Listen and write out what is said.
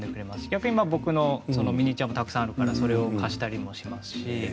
逆に僕のミニチュアもたくさんあるからそれを貸したりもしますし。